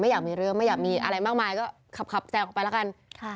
อยากมีเรื่องไม่อยากมีอะไรมากมายก็ขับแซงออกไปแล้วกัน